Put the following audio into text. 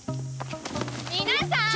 皆さーん！